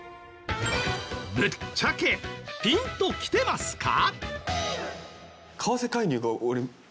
ぶっちゃけピンときてますか？